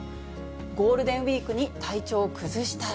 ゴールデンウィークに体調崩したら。